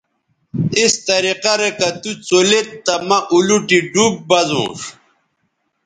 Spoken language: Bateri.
اس طریقہ رے کہ تُوڅولید تہ مہ اولوٹی ڈوب بزونݜ